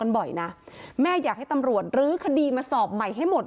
บ่อยนะแม่อยากให้ตำรวจรื้อคดีมาสอบใหม่ให้หมด